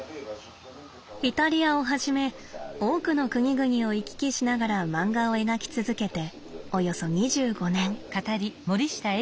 イタリアをはじめ多くの国々を行き来しながら漫画を描き続けておよそ２５年。